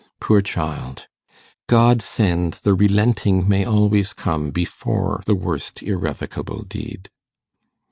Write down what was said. Poor child! God send the relenting may always come before the worst irrevocable deed!